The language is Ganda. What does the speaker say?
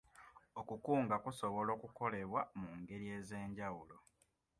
Okukunga kusobola okukolebwa mu ngeri ez'enjawulo.